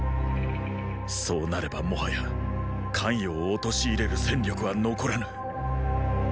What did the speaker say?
そうなればもはや咸陽を陥れる戦力は残らぬ。